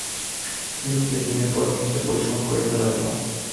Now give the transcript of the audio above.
এইরূপে দিনের পর দিন সে পরিশ্রম করিতে লাগিল।